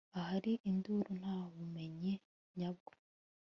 ahari induru, nta bumenyi nyabwo